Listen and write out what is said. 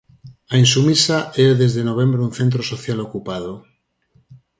A Insumisa é desde novembro un centro social ocupado.